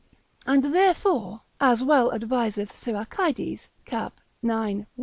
And therefore, as well adviseth Siracides, cap. ix. 1.